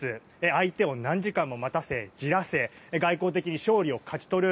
相手を何時間も待たせ、じらせ外交的に勝利を勝ち取る。